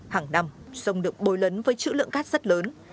hàng năm sông được bối lấn với chữ lượng cát rất lớn